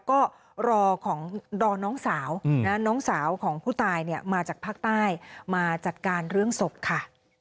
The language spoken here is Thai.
ก็รอน้องสาวน้องสาวของผู้ตายเนี่ยมาจากภาคใต้มาจัดการเรื่องศพค่ะ